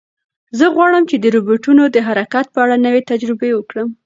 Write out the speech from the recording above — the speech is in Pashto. زه غواړم چې د روبوټونو د حرکت په اړه نوې تجربه وکړم.